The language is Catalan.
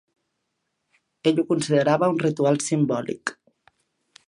Ell ho considerava un ritual simbòlic.